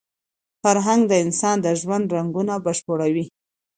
فرهنګ د انسان د ژوند رنګونه بشپړوي.